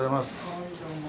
はいどうも。